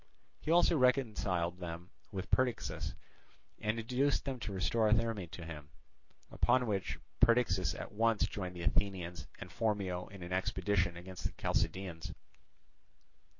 He also reconciled them with Perdiccas, and induced them to restore Therme to him; upon which Perdiccas at once joined the Athenians and Phormio in an expedition against the Chalcidians.